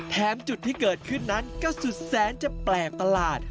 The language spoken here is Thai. จุดที่เกิดขึ้นนั้นก็สุดแสนจะแปลกประหลาด